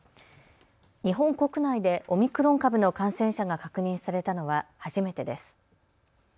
日本国内でオミクロン株の感染者が確認されたのは初めてです。